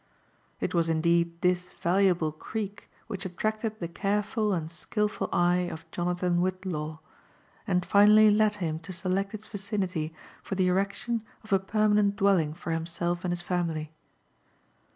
It was indeed this valuable creels which attracted the careful and skilr ful eye of Jonathan Wbiilaw, and finally led bim to select its vicinity for the erection of a permanent dwelling for himself and his family.